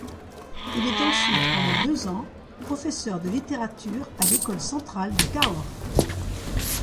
Il est ensuite pendant deux ans, professeur de littérature à l'école centrale de Cahors.